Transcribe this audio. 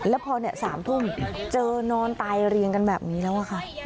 แล้วพอ๓ทุ่มเจอนอนตายเรียงกันแบบนี้แล้วค่ะ